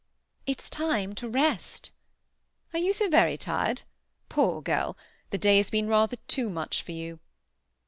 "It's time to rest." "Are you so very tired? Poor girl! The day has been rather too much for you."